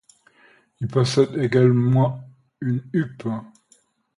Il possède également une huppe.